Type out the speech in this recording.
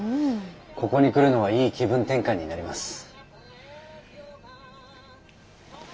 ここに来るのはいい気分転換になります。